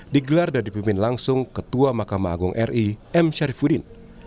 digelar dan dipimpin langsung ketua mahkamah agung ri m syarifudin